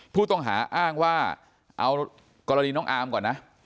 ผู้ต้องหาอ้างว่าเอากรณีน้องอาร์มก่อนนะ